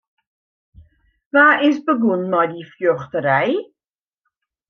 Wa is begûn mei dy fjochterij?